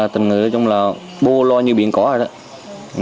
tình người đó trong là bô lo như biển cỏ rồi đó